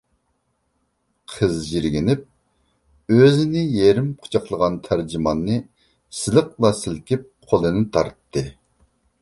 قىز يىرگىنىپ ئۆزىنى يېرىم قۇچاقلىغان تەرجىماننى سىلىقلا سىلكىپ قولىنى تارتتى.